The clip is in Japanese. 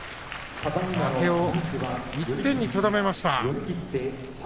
負けを１点にとどめました。